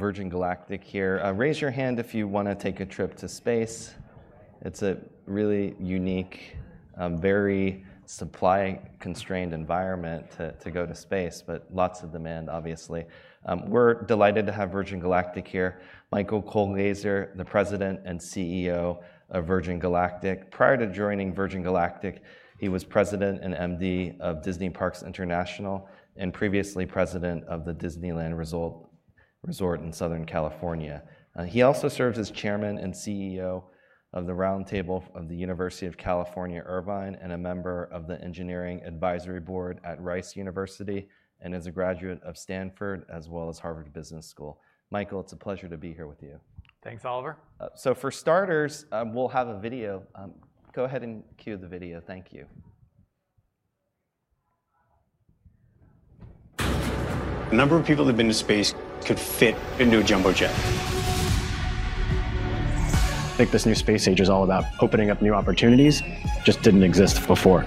Virgin Galactic here. Raise your hand if you wanna take a trip to space. It's a really unique, very supply-constrained environment to go to space, but lots of demand, obviously. We're delighted to have Virgin Galactic here. Michael Colglazier, the President and CEO of Virgin Galactic. Prior to joining Virgin Galactic, he was President and MD of Disney Parks International, and previously President of the Disneyland Resort in Southern California. He also serves as Chairman and CEO of the Roundtable of the University of California, Irvine, and a member of the Engineering Advisory Board at Rice University, and is a graduate of Stanford as well as Harvard Business School. Michael, it's a pleasure to be here with you. Thanks, Oliver. So for starters, we'll have a video. Go ahead and cue the video. Thank you. The number of people that have been to space could fit into a jumbo jet. I think this new space age is all about opening up new opportunities, just didn't exist before.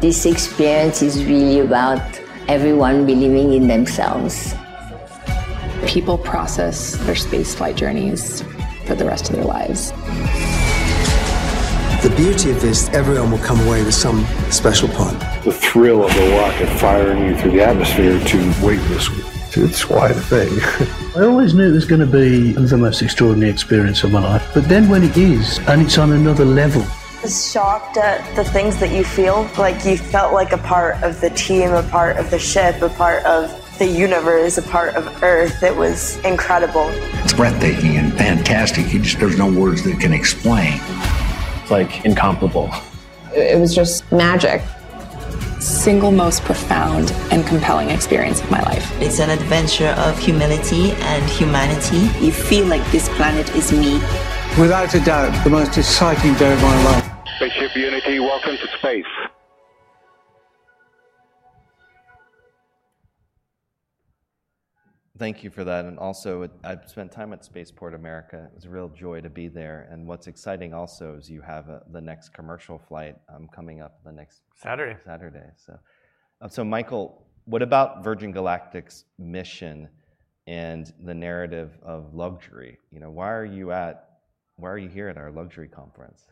This experience is really about everyone believing in themselves. People process their space flight journeys for the rest of their lives. The beauty of this, everyone will come away with some special part. The thrill of the rocket firing you through the atmosphere to weightlessness, it's quite a thing. I always knew it was gonna be the most extraordinary experience of my life, but then when it is, and it's on another level. Just shocked at the things that you feel. Like, you felt like a part of the team, a part of the ship, a part of the universe, a part of Earth. It was incredible. It's breathtaking and fantastic. You just... There's no words that can explain. It's, like, incomparable. It was just magic. The single most profound and compelling experience of my life. It's an adventure of humility and humanity. You feel like this planet is me. Without a doubt, the most exciting day of my life. VSS Unity, welcome to space! Thank you for that, and also, I've spent time at Spaceport America. It's a real joy to be there, and what's exciting also is you have the next commercial flight coming up the next- Saturday... Saturday, so. So Michael, what about Virgin Galactic's mission and the narrative of luxury? You know, why are you at... Why are you here at our luxury conference?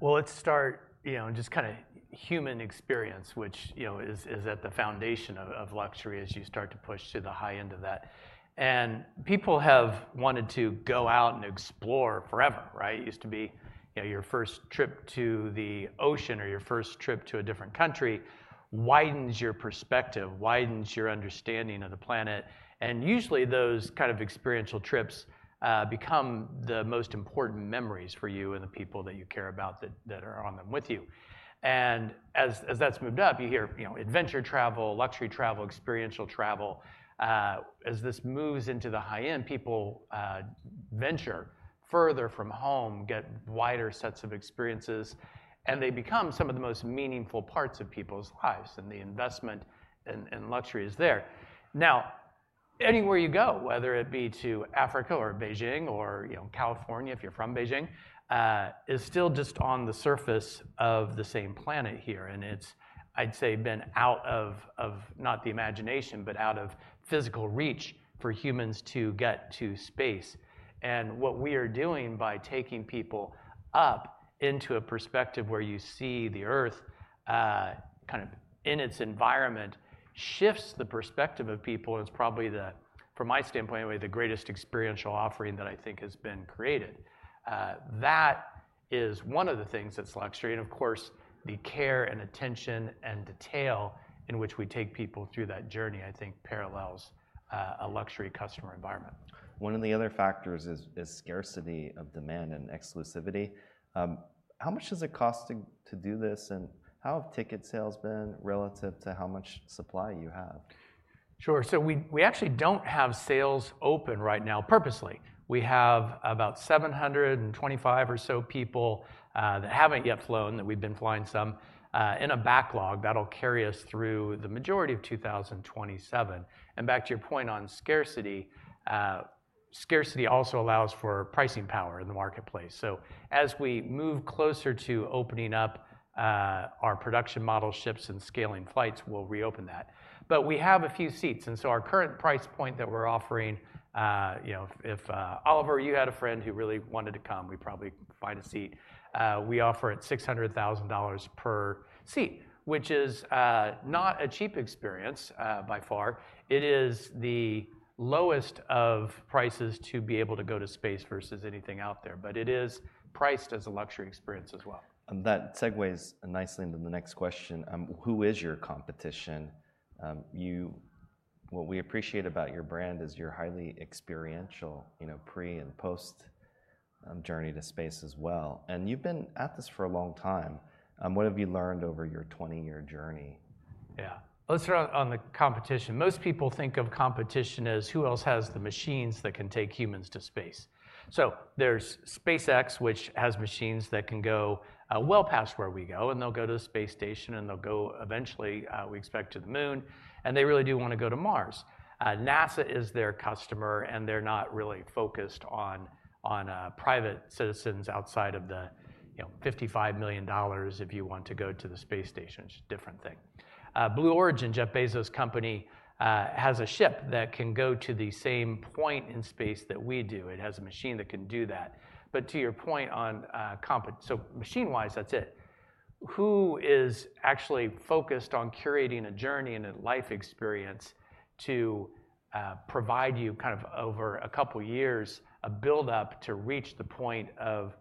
Well, let's start, you know, in just kinda human experience, which, you know, is at the foundation of luxury as you start to push to the high end of that. And people have wanted to go out and explore forever, right? It used to be, you know, your first trip to the ocean or your first trip to a different country widens your perspective, widens your understanding of the planet, and usually those kind of experiential trips become the most important memories for you and the people that you care about that are on them with you. And as that's moved up, you hear, you know, adventure travel, luxury travel, experiential travel. As this moves into the high end, people venture further from home, get wider sets of experiences, and they become some of the most meaningful parts of people's lives, and the investment in luxury is there. Now, anywhere you go, whether it be to Africa or Beijing or, you know, California, if you're from Beijing, is still just on the surface of the same planet here, and it's, I'd say, been out of not the imagination, but out of physical reach for humans to get to space. And what we are doing by taking people up into a perspective where you see the Earth kind of in its environment shifts the perspective of people, and it's probably the, from my standpoint anyway, the greatest experiential offering that I think has been created. That is one of the things that's luxury, and of course, the care and attention and detail in which we take people through that journey, I think parallels a luxury customer environment. One of the other factors is scarcity of demand and exclusivity. How much does it cost to do this, and how have ticket sales been relative to how much supply you have? Sure. So we actually don't have sales open right now purposely. We have about 725 or so people that haven't yet flown, that we've been flying some in a backlog that'll carry us through the majority of 2027. And back to your point on scarcity, scarcity also allows for pricing power in the marketplace. So as we move closer to opening up our production model ships and scaling flights, we'll reopen that. But we have a few seats, and so our current price point that we're offering, you know, if, Oliver, you had a friend who really wanted to come, we'd probably find a seat. We offer at $600,000 per seat, which is not a cheap experience by far. It is the lowest of prices to be able to go to space versus anything out there, but it is priced as a luxury experience as well. That segues nicely into the next question. Who is your competition? What we appreciate about your brand is you're highly experiential, you know, pre- and post-journey to space as well, and you've been at this for a long time. What have you learned over your 20-year journey? Yeah. Let's start on the competition. Most people think of competition as who else has the machines that can take humans to space? So there's SpaceX, which has machines that can go well past where we go, and they'll go to the space station, and they'll go, eventually, we expect, to the Moon, and they really do wanna go to Mars. NASA is their customer, and they're not really focused on private citizens outside of the, you know, $55,000,000 if you want to go to the space station. It's a different thing. Blue Origin, Jeff Bezos' company, has a ship that can go to the same point in space that we do. It has a machine that can do that. But to your point on, so machine-wise, that's it. Who is actually focused on curating a journey and a life experience to provide you kind of over a couple years, a build-up to reach the point of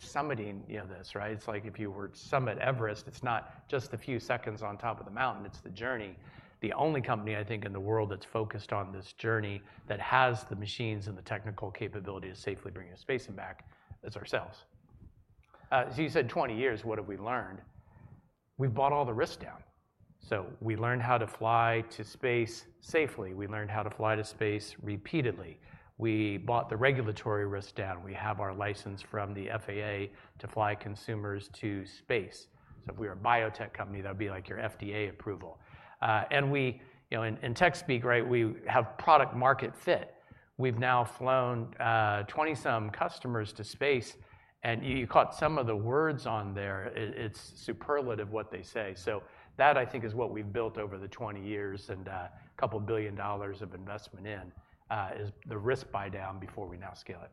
summitting, you know, this, right? It's like if you were to summit Everest, it's not just the few seconds on top of the mountain, it's the journey. The only company I think in the world that's focused on this journey, that has the machines and the technical capability to safely bring you to space and back, is ourselves. So you said 20 years, what have we learned? We've brought all the risk down. So we learned how to fly to space safely. We learned how to fly to space repeatedly. We brought the regulatory risk down. We have our license from the FAA to fly consumers to space. So if we were a biotech company, that would be like your FDA approval. And we, you know, in tech speak, right, we have product-market fit. We've now flown 20-some customers to space, and you caught some of the words on there. It's superlative what they say. So that, I think, is what we've built over the 20 years, and couple billion dollars of investment is the risk buy-down before we now scale it.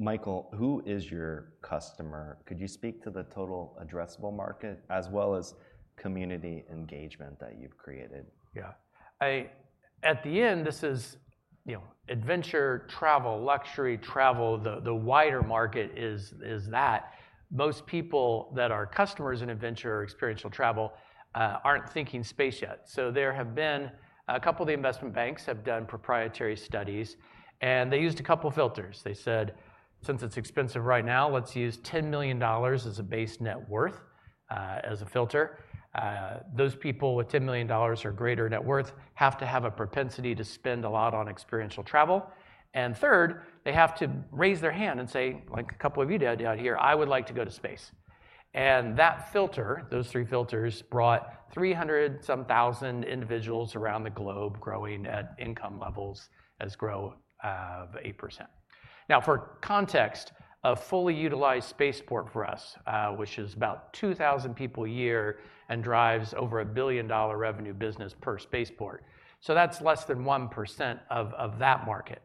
Michael, who is your customer? Could you speak to the total addressable market as well as community engagement that you've created? Yeah. At the end, this is, you know, adventure travel, luxury travel, the, the wider market is, is that. Most people that are customers in adventure or experiential travel aren't thinking space yet. So there have been... A couple of the investment banks have done proprietary studies, and they used a couple filters. They said, "Since it's expensive right now, let's use $10,000,000 as a base net worth as a filter. Those people with $10,000,000 or greater net worth have to have a propensity to spend a lot on experiential travel. And third, they have to raise their hand and say," like a couple of you did out here, "'I would like to go to space.'" And that filter, those three filters, brought 300-some thousand individuals around the globe, growing at income levels as grow, of 8%. Now, for context, a fully utilized spaceport for us, which is about 2,000 people a year and drives over a $1,000,000,000 revenue business per spaceport. So that's less than 1% of that market.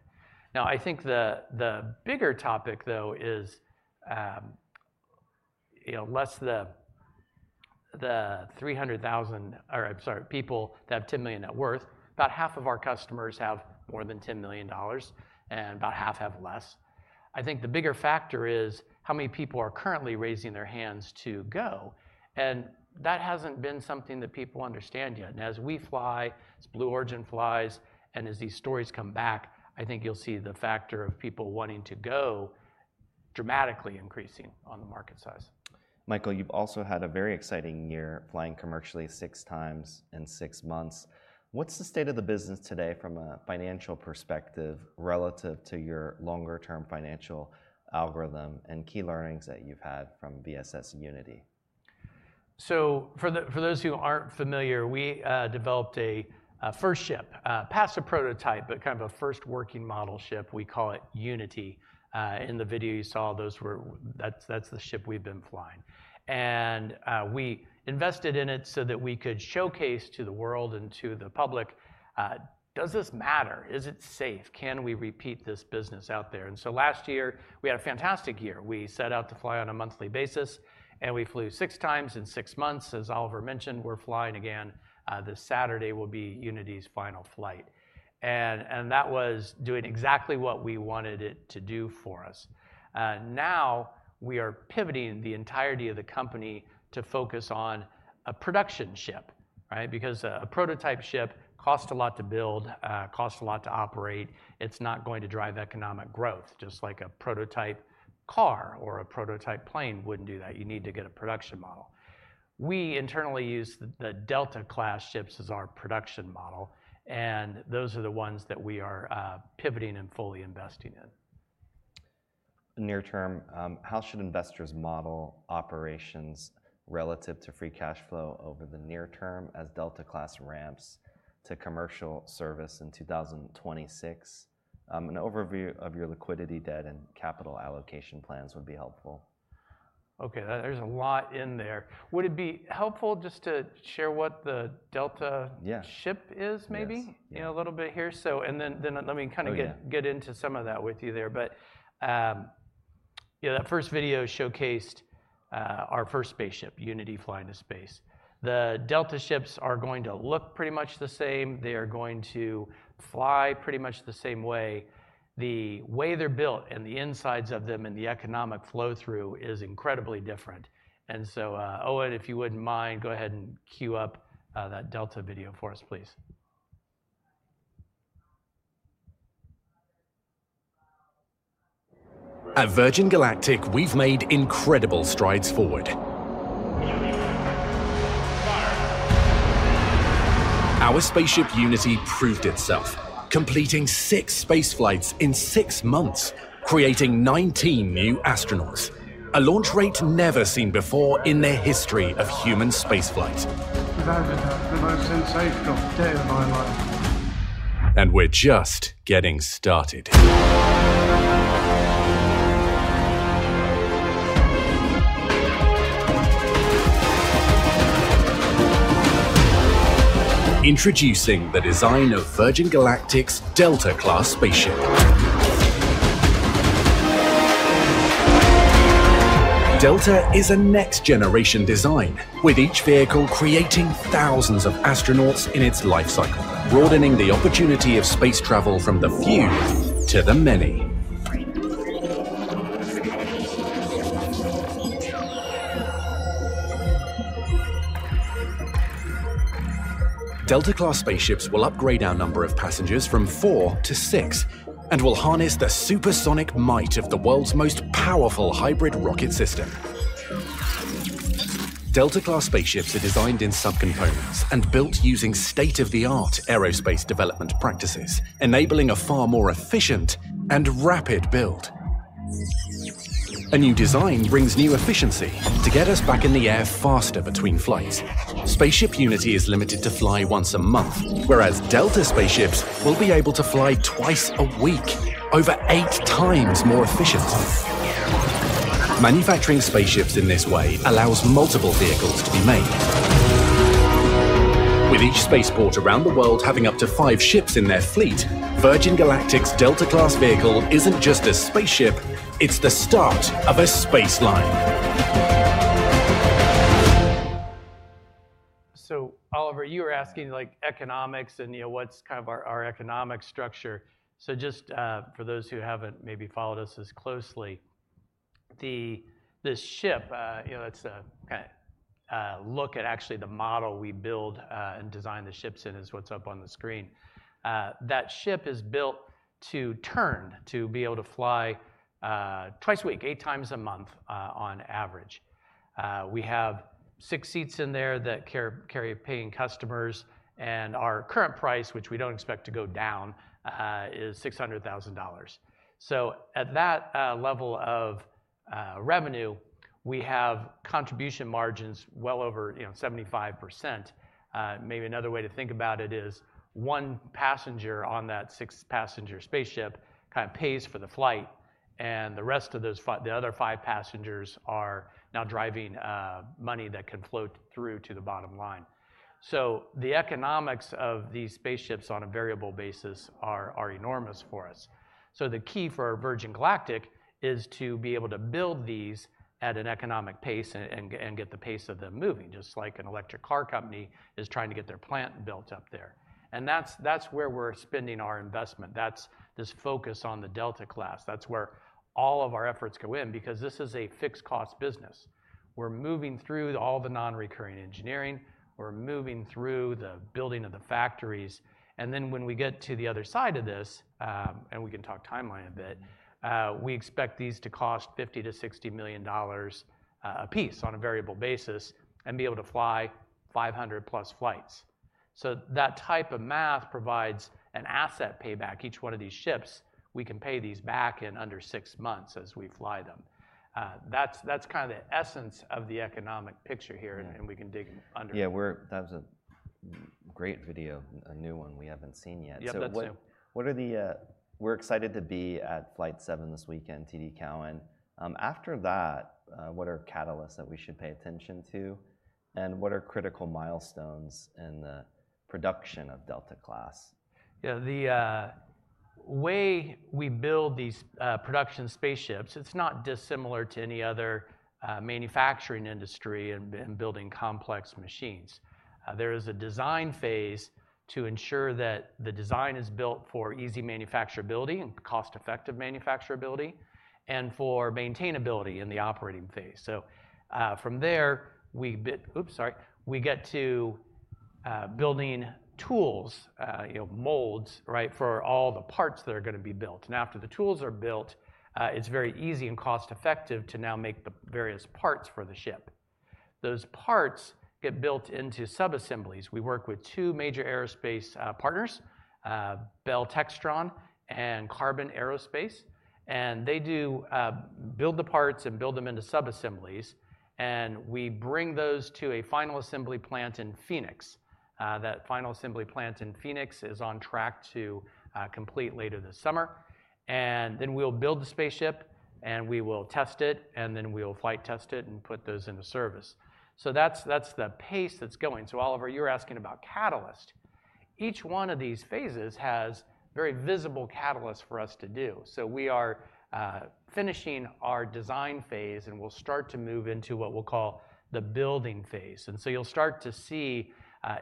Now, I think the bigger topic, though, is, you know, less the 300,000... Or, I'm sorry, people that have $10,000,000 net worth, about half of our customers have more than $10,000,000 and about half have less. I think the bigger factor is, how many people are currently raising their hands to go? And that hasn't been something that people understand yet. And as we fly, as Blue Origin flies, and as these stories come back, I think you'll see the factor of people wanting to go dramatically increasing on the market size. Michael, you've also had a very exciting year, flying commercially 6 times in 6 months. What's the state of the business today from a financial perspective, relative to your longer term financial algorithm and key learnings that you've had from VSS Unity? So for those who aren't familiar, we developed a first ship past a prototype, but kind of a first working model ship. We call it Unity. In the video you saw, those were that, that's the ship we've been flying. And we invested in it so that we could showcase to the world and to the public: Does this matter? Is it safe? Can we repeat this business out there? So last year, we had a fantastic year. We set out to fly on a monthly basis, and we flew six times in six months. As Oliver mentioned, we're flying again this Saturday will be Unity's final flight. And that was doing exactly what we wanted it to do for us. Now we are pivoting the entirety of the company to focus on a production ship, right? Because a prototype ship costs a lot to build, costs a lot to operate. It's not going to drive economic growth, just like a prototype car or a prototype plane wouldn't do that. You need to get a production model. We internally use the Delta Class ships as our production model, and those are the ones that we are pivoting and fully investing in. Near term, how should investors model operations relative to free cash flow over the near term, as Delta Class ramps to commercial service in 2026? An overview of your liquidity debt and capital allocation plans would be helpful. Okay, there's a lot in there. Would it be helpful just to share what the Delta- Yeah... ship is maybe? Yes. You know, a little bit here. So and then, let me kind of- Oh, yeah... get into some of that with you there. But, you know, that first video showcased our first spaceship, Unity, flying to space. The Delta ships are going to look pretty much the same. They are going to fly pretty much the same way. The way they're built and the insides of them and the economic flow-through is incredibly different. And so, Owen, if you wouldn't mind, go ahead and queue up that Delta video for us, please. At Virgin Galactic, we've made incredible strides forward. Our spaceship, Unity, proved itself, completing 6 space flights in 6 months, creating 19 new astronauts, a launch rate never seen before in the history of human spaceflight. I've had the most sensational day of my life. We're just getting started. Introducing the design of Virgin Galactic's Delta Class spaceship. Delta is a next-generation design, with each vehicle creating thousands of astronauts in its life cycle, broadening the opportunity of space travel from the few to the many. Delta Class spaceships will upgrade our number of passengers from 4 to 6, and will harness the supersonic might of the world's most powerful hybrid rocket system. Delta Class spaceships are designed in subcomponents and built using state-of-the-art aerospace development practices, enabling a far more efficient and rapid build. A new design brings new efficiency to get us back in the air faster between flights. Spaceship Unity is limited to fly once a month, whereas Delta spaceships will be able to fly twice a week, over 8 times more efficient. Manufacturing spaceships in this way allows multiple vehicles to be made. With each spaceport around the world having up to five ships in their fleet, Virgin Galactic's Delta Class vehicle isn't just a spaceship, it's the start of a space line. So, Oliver, you were asking, like, economics and, you know, what's kind of our economic structure. So just, for those who haven't maybe followed us as closely, this ship, you know, it's a kind of look at actually the model we build and design the ships in, is what's up on the screen. That ship is built to turn, to be able to fly, twice a week, 8 times a month, on average. We have 6 seats in there that carry paying customers, and our current price, which we don't expect to go down, is $600,000. So at that level of revenue, we have contribution margins well over, you know, 75%. Maybe another way to think about it is, 1 passenger on that 6-passenger spaceship kind of pays for the flight, and the rest of those—the other 5 passengers are now driving money that can flow through to the bottom line. So the economics of these spaceships on a variable basis are enormous for us. So the key for Virgin Galactic is to be able to build these at an economic pace and get the pace of them moving, just like an electric car company is trying to get their plant built up there. And that's where we're spending our investment. That's this focus on the Delta Class. That's where all of our efforts go in, because this is a fixed cost business. We're moving through all the non-recurring engineering. We're moving through the building of the factories. And then when we get to the other side of this, and we can talk timeline a bit, we expect these to cost $50,000,000-$60,000,000 apiece on a variable basis and be able to fly 500+ flights. So that type of math provides an asset payback. Each one of these ships, we can pay these back in under six months as we fly them. That's, that's kind of the essence of the economic picture here- Yeah. And we can dig under. Yeah, that was a great video, a new one we haven't seen yet. Yeah, that's new. We're excited to be at Flight Seven this weekend, TD Cowen. After that, what are catalysts that we should pay attention to, and what are critical milestones in the production of Delta Class? Yeah, the way we build these production spaceships, it's not dissimilar to any other manufacturing industry in building complex machines. There is a design phase to ensure that the design is built for easy manufacturability and cost-effective manufacturability, and for maintainability in the operating phase. So, from there, we get to building tools, you know, molds, right, for all the parts that are gonna be built. And after the tools are built, it's very easy and cost-effective to now make the various parts for the ship. Those parts get built into subassemblies. We work with two major aerospace partners, Bell Textron and Qarbon Aerospace, and they do build the parts and build them into subassemblies, and we bring those to a final assembly plant in Phoenix. That final assembly plant in Phoenix is on track to complete later this summer. And then we'll build the spaceship, and we will test it, and then we'll flight test it and put those into service. So that's the pace that's going. So, Oliver, you're asking about catalyst. Each one of these phases has very visible catalysts for us to do. So we are finishing our design phase, and we'll start to move into what we'll call the building phase. And so you'll start to see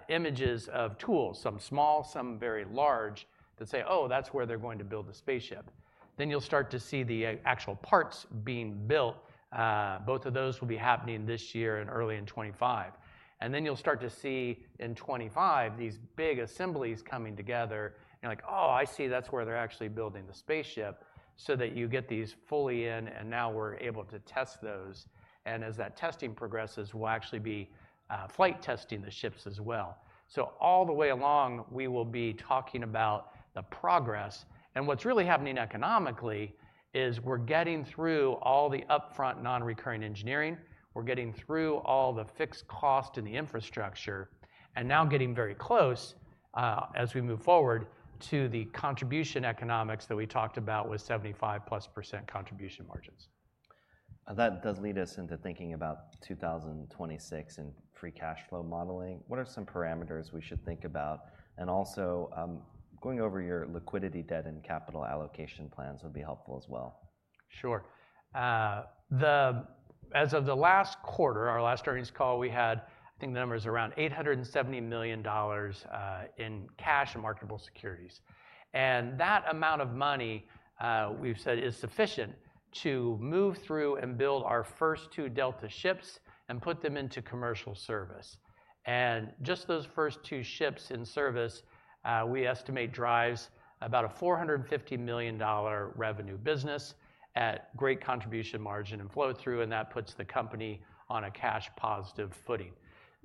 images of tools, some small, some very large, that say, "Oh, that's where they're going to build the spaceship." Then you'll start to see the actual parts being built. Both of those will be happening this year and early in 2025. And then you'll start to see, in 25, these big assemblies coming together and you're like, "Oh, I see, that's where they're actually building the spaceship," so that you get these fully in, and now we're able to test those. And as that testing progresses, we'll actually be flight testing the ships as well. So all the way along, we will be talking about the progress. And what's really happening economically is we're getting through all the upfront non-recurring engineering, we're getting through all the fixed cost and the infrastructure, and now getting very close, as we move forward, to the contribution economics that we talked about with 75%+ contribution margins. ... That does lead us into thinking about 2026 and free cash flow modeling. What are some parameters we should think about? And also, going over your liquidity, debt, and capital allocation plans would be helpful as well. Sure. As of the last quarter, our last earnings call, we had, I think the number is around $870,000,000 in cash and marketable securities. And that amount of money, we've said, is sufficient to move through and build our first two Delta ships and put them into commercial service. And just those first two ships in service, we estimate drives about a $450,000,000 revenue business at great contribution margin and flow-through, and that puts the company on a cash positive footing.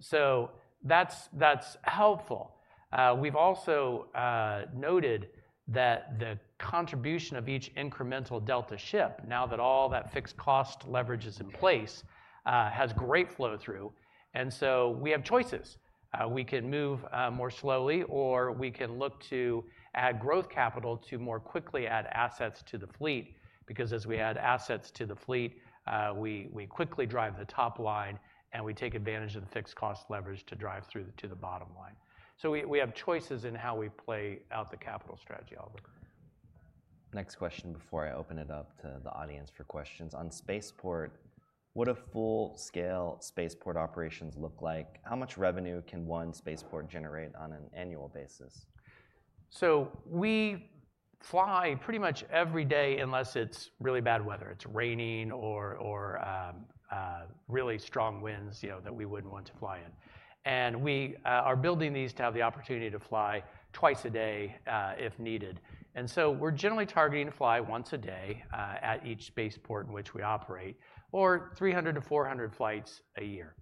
So that's, that's helpful. We've also noted that the contribution of each incremental Delta ship, now that all that fixed cost leverage is in place, has great flow-through, and so we have choices. We can move more slowly, or we can look to add growth capital to more quickly add assets to the fleet, because as we add assets to the fleet, we quickly drive the top line, and we take advantage of the fixed cost leverage to drive through to the bottom line. So we have choices in how we play out the capital strategy, Oliver. Next question before I open it up to the audience for questions. On spaceport, what do full scale spaceport operations look like? How much revenue can one spaceport generate on an annual basis? So we fly pretty much every day, unless it's really bad weather, it's raining or really strong winds, you know, that we wouldn't want to fly in. And we are building these to have the opportunity to fly twice a day, if needed. And so we're generally targeting to fly once a day, at each spaceport in which we operate, or 300-400 flights a year.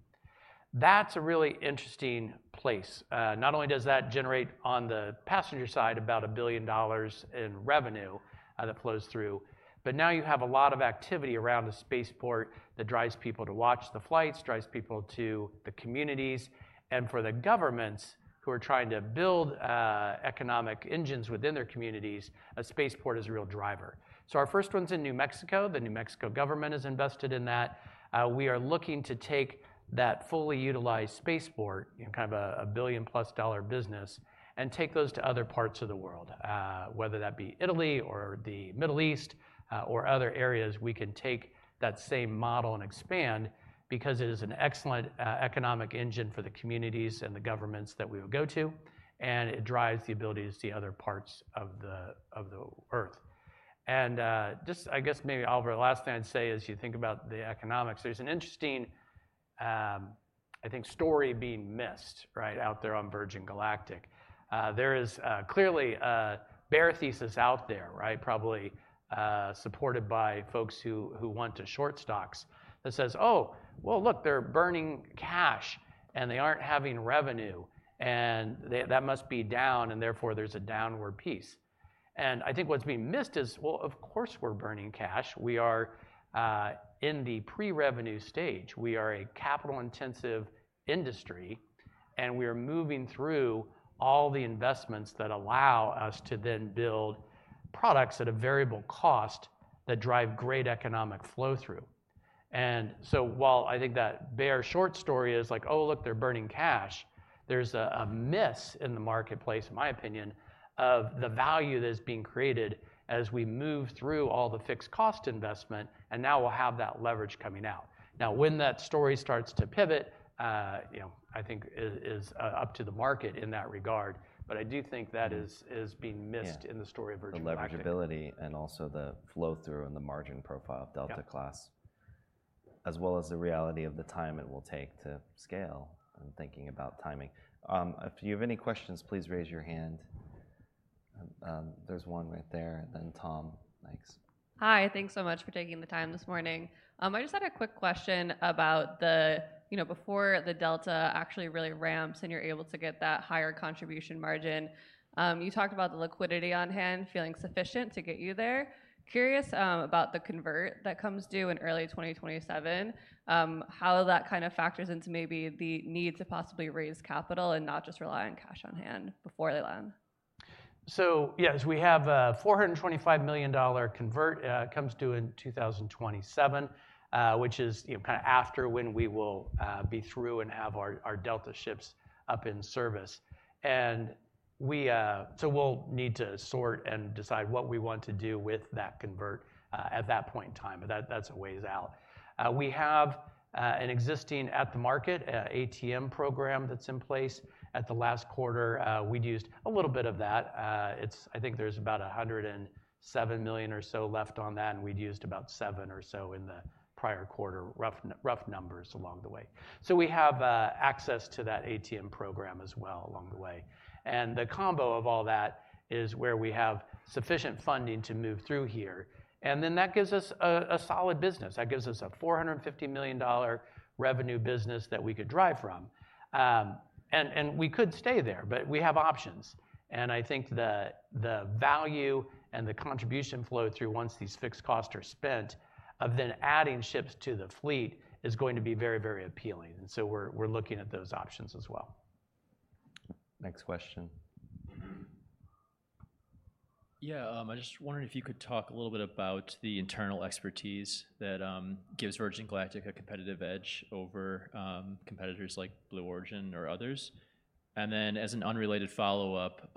That's a really interesting place. Not only does that generate, on the passenger side, about $1,000,000,000 in revenue, that flows through, but now you have a lot of activity around the spaceport that drives people to watch the flights, drives people to the communities. And for the governments who are trying to build economic engines within their communities, a spaceport is a real driver. So our first one's in New Mexico. The New Mexico government is invested in that. We are looking to take that fully utilized spaceport, you know, kind of a $1,000,000,000+ business, and take those to other parts of the world. Whether that be Italy or the Middle East, or other areas, we can take that same model and expand, because it is an excellent economic engine for the communities and the governments that we would go to, and it drives the ability to see other parts of the Earth. Just, I guess maybe, Oliver, the last thing I'd say, as you think about the economics, there's an interesting, I think, story being missed, right out there on Virgin Galactic. There is clearly a bear thesis out there, right? Probably supported by folks who want to short stocks, that says, "Oh, well, look, they're burning cash, and they aren't having revenue, and they-- that must be down, and therefore, there's a downward piece." And I think what's being missed is, well, of course, we're burning cash. We are in the pre-revenue stage. We are a capital-intensive industry, and we are moving through all the investments that allow us to then build products at a variable cost that drive great economic flow-through. And so while I think that bear short story is like: Oh, look, they're burning cash, there's a miss in the marketplace, in my opinion, of the value that is being created as we move through all the fixed cost investment, and now we'll have that leverage coming out. Now, when that story starts to pivot, you know, I think is up to the market in that regard, but I do think that is- Mm... is being missed. Yeah... in the story of Virgin Galactic. The leverageability and also the flow-through and the margin profile- Yeah... of Delta Class, as well as the reality of the time it will take to scale, I'm thinking about timing. If you have any questions, please raise your hand. There's one right there, and then Tom next. Hi. Thanks so much for taking the time this morning. I just had a quick question about the... You know, before the Delta actually really ramps and you're able to get that higher contribution margin, you talked about the liquidity on hand feeling sufficient to get you there. Curious, about the convert that comes due in early 2027, how that kind of factors into maybe the need to possibly raise capital and not just rely on cash on hand before they land? So yeah, so we have a $425,000,000 convert, comes due in 2027, which is, you know, kind of after when we will be through and have our Delta ships up in service. And we-- so we'll need to sort and decide what we want to do with that convert at that point in time, but that's a ways out. We have an existing at-the-market ATM program that's in place. At the last quarter, we'd used a little bit of that. It's-- I think there's about $107,000,000 or so left on that, and we'd used about $7 or so in the prior quarter. Rough numbers along the way. So we have access to that ATM program as well along the way. The combo of all that is where we have sufficient funding to move through here, and then that gives us a solid business. That gives us a $450,000,000 revenue business that we could drive from. We could stay there, but we have options, and I think the value and the contribution flow through, once these fixed costs are spent, of then adding ships to the fleet, is going to be very, very appealing, and so we're looking at those options as well. Next question?... Yeah, I just wondered if you could talk a little bit about the internal expertise that gives Virgin Galactic a competitive edge over competitors like Blue Origin or others? And then, as an unrelated follow-up,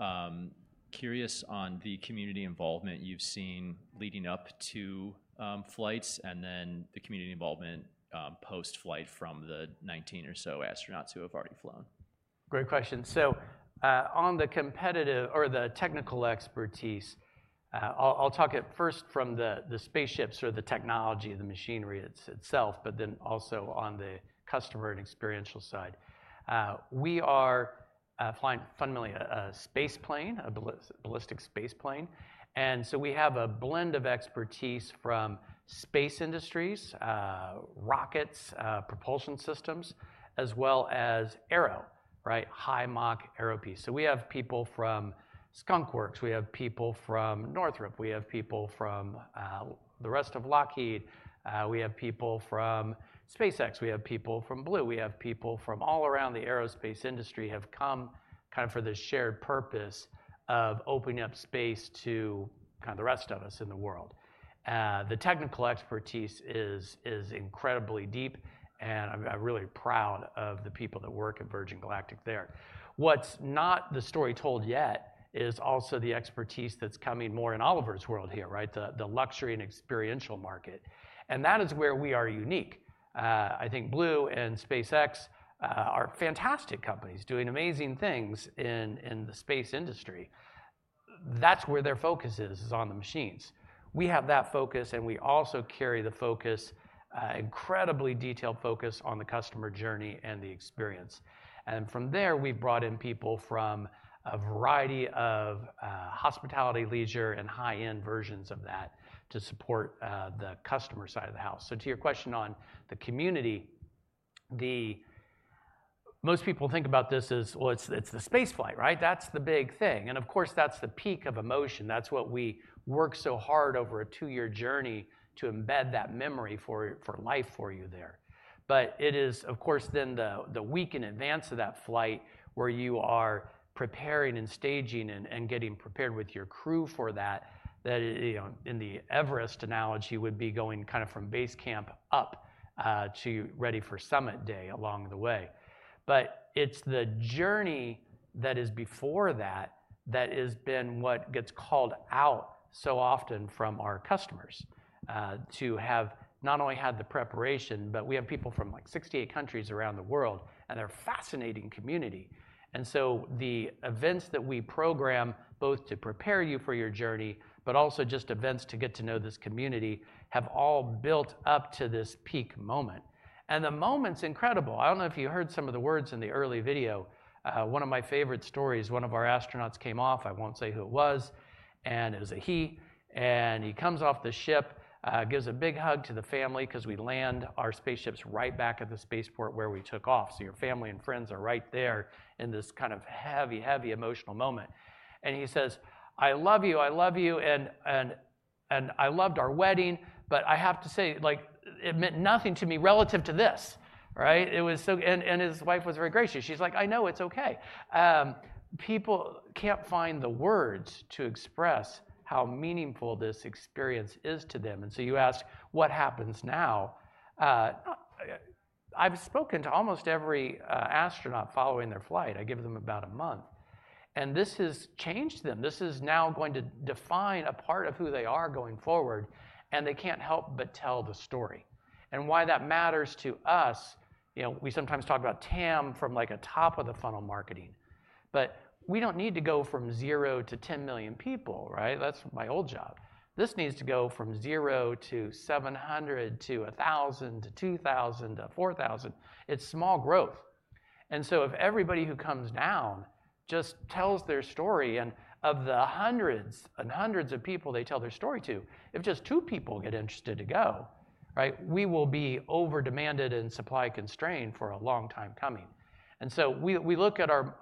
curious on the community involvement you've seen leading up to flights, and then the community involvement post-flight from the 19 or so astronauts who have already flown. Great question. So, on the competitive or the technical expertise, I'll talk it first from the spaceships or the technology, the machinery itself, but then also on the customer and experiential side. We are flying fundamentally a space plane, a ballistic space plane, and so we have a blend of expertise from space industries, rockets, propulsion systems, as well as aero, right? High Mach aero piece. So we have people from Skunk Works, we have people from Northrop, we have people from the rest of Lockheed, we have people from SpaceX, we have people from Blue. We have people from all around the aerospace industry have come kind of for this shared purpose of opening up space to kind of the rest of us in the world. The technical expertise is incredibly deep, and I'm really proud of the people that work at Virgin Galactic there. What's not the story told yet is also the expertise that's coming more in Oliver's world here, right? The luxury and experiential market, and that is where we are unique. I think Blue and SpaceX are fantastic companies doing amazing things in the space industry. That's where their focus is on the machines. We have that focus, and we also carry the focus, incredibly detailed focus on the customer journey and the experience. And from there, we've brought in people from a variety of hospitality, leisure, and high-end versions of that to support the customer side of the house. So to your question on the community, the... Most people think about this as, well, it's the space flight, right? That's the big thing, and of course, that's the peak of emotion. That's what we work so hard over a two-year journey to embed that memory for, for life for you there. But it is, of course, then the week in advance of that flight, where you are preparing and staging and getting prepared with your crew for that, you know, in the Everest analogy, would be going kind of from base camp up to ready for summit day along the way. But it's the journey that is before that, that has been what gets called out so often from our customers. To have not only had the preparation, but we have people from, like, 68 countries around the world, and they're a fascinating community. And so the events that we program, both to prepare you for your journey, but also just events to get to know this community, have all built up to this peak moment, and the moment's incredible. I don't know if you heard some of the words in the early video. One of my favorite stories, one of our astronauts came off, I won't say who it was, and it was a he, and he comes off the ship, gives a big hug to the family, 'cause we land our spaceships right back at the spaceport where we took off. So your family and friends are right there in this kind of heavy, heavy emotional moment. And he says, "I love you, I love you, and, and, and I loved our wedding, but I have to say, like, it meant nothing to me relative to this!" Right? It was so. And his wife was very gracious. She's like: "I know. It's okay." People can't find the words to express how meaningful this experience is to them. And so you ask, what happens now? I've spoken to almost every astronaut following their flight. I give them about a month, and this has changed them. This is now going to define a part of who they are going forward, and they can't help but tell the story. And why that matters to us, you know, we sometimes talk about TAM from, like, a top-of-the-funnel marketing, but we don't need to go from zero to 10,000,000 people, right? That's my old job. This needs to go from zero to 700, to 1,000, to 2,000, to 4,000. It's small growth. And so if everybody who comes down just tells their story, and of the hundreds and hundreds of people they tell their story to, if just 2 people get interested to go, right, we will be overdemanded and supply-constrained for a long time coming. And so we, we look at our,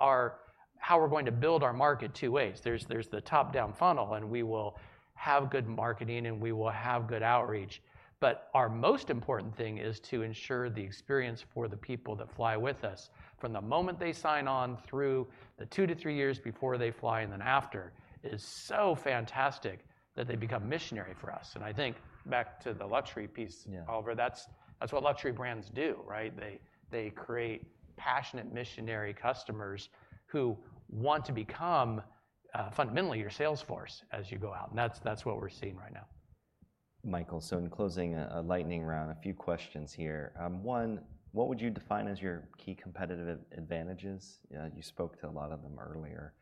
our—how we're going to build our market two ways. There's, there's the top-down funnel, and we will have good marketing, and we will have good outreach. But our most important thing is to ensure the experience for the people that fly with us, from the moment they sign on, through the 2-3 years before they fly, and then after, is so fantastic that they become missionary for us. And I think back to the luxury piece- Yeah. Oliver, that's, that's what luxury brands do, right? They, they create passionate missionary customers who want to become fundamentally your sales force as you go out, and that's, that's what we're seeing right now. Michael, so in closing, a lightning round, a few questions here. One, what would you define as your key competitive advantages? You spoke to a lot of them earlier.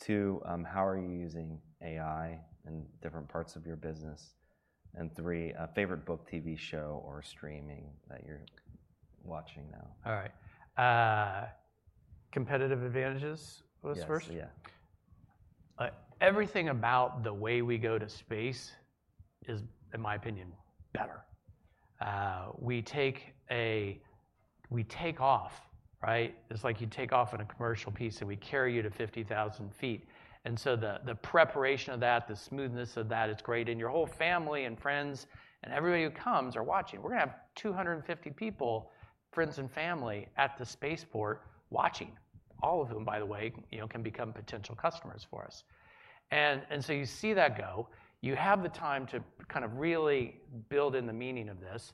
Two, how are you using AI in different parts of your business? And three, a favorite book, TV show, or streaming that you're watching now. All right. Competitive advantages was first? Yes. Yeah. Everything about the way we go to space is, in my opinion, better. We take off, right? It's like you take off in a commercial plane, and we carry you to 50,000 feet. And so the preparation of that, the smoothness of that, it's great. And your whole family and friends and everybody who comes are watching. We're gonna have 250 people, friends and family, at the spaceport watching. All of whom, by the way, you know, can become potential customers for us. And so you see that go, you have the time to kind of really build in the meaning of this,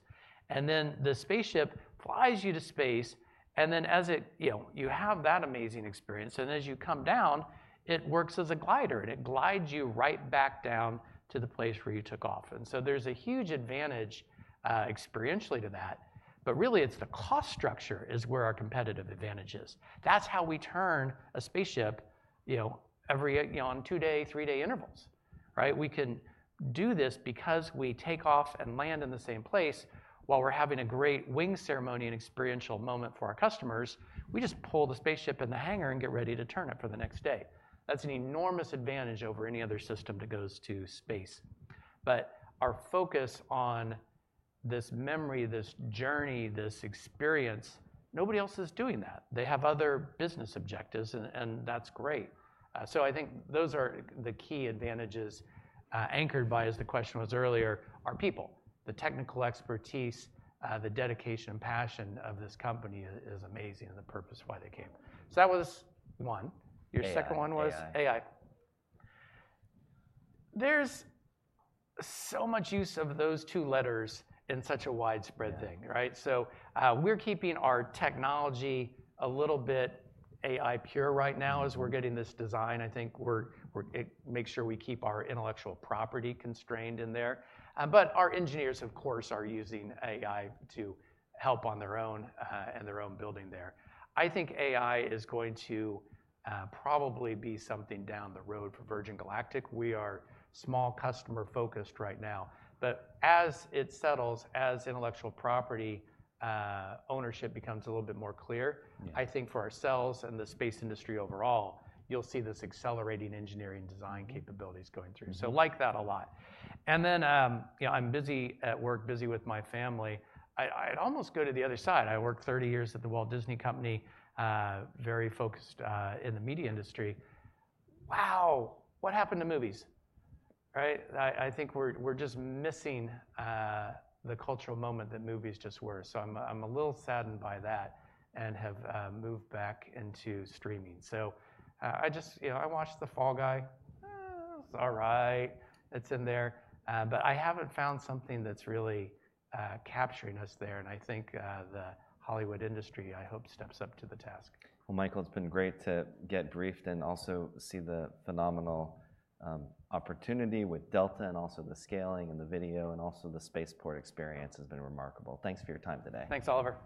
and then the spaceship flies you to space, and then as it... You know, you have that amazing experience, and as you come down, it works as a glider, and it glides you right back down to the place where you took off. And so there's a huge advantage experientially to that, but really, it's the cost structure is where our competitive advantage is. That's how we turn a spaceship, you know, every, you know, on two-day, three-day intervals, right? We can do this because we take off and land in the same place. While we're having a great wing ceremony and experiential moment for our customers, we just pull the spaceship in the hangar and get ready to turn it for the next day. That's an enormous advantage over any other system that goes to space. But our focus on this memory, this journey, this experience, nobody else is doing that. They have other business objectives, and that's great. So I think those are the key advantages, anchored by, as the question was earlier, our people. The technical expertise, the dedication and passion of this company is, is amazing, and the purpose why they came. So that was one. AI, AI. Your second one was AI. There's so much use of those two letters in such a widespread thing- Yeah... right? So, we're keeping our technology a little bit AI pure right now as we're- Mm... getting this design. I think we're make sure we keep our intellectual property constrained in there. But our engineers, of course, are using AI to help on their own and their own building there. I think AI is going to probably be something down the road for Virgin Galactic. We are small customer focused right now. But as it settles, as intellectual property ownership becomes a little bit more clear- Yeah... I think for ourselves and the space industry overall, you'll see this accelerating engineering design capabilities going through. Mm. So like that a lot. And then, you know, I'm busy at work, busy with my family. I'd almost go to the other side. I worked 30 years at The Walt Disney Company, very focused, in the media industry. Wow! What happened to movies, right? I think we're just missing the cultural moment that movies just were. So I'm a little saddened by that and have moved back into streaming. So, I just... You know, I watched The Fall Guy. Eh, it's all right. It's in there. But I haven't found something that's really capturing us there, and I think the Hollywood industry, I hope, steps up to the task. Well, Michael, it's been great to get briefed and also see the phenomenal opportunity with Delta and also the scaling and the video and also the spaceport experience has been remarkable. Thanks for your time today. Thanks, Oliver.